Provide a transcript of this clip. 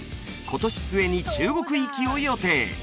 今年末に中国行きを予定